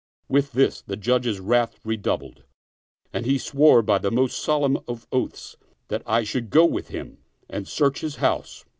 " With this the Judge's wrath redoubled and he swore by the most solemn of oaths that I should go with him and search his house.